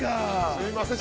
◆すいません。